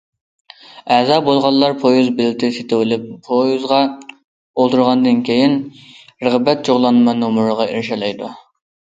ئەزا بولغانلار پويىز بېلىتى سېتىۋېلىپ پويىزغا ئولتۇرغاندىن كېيىن، رىغبەت جۇغلانما نومۇرىغا ئېرىشەلەيدۇ.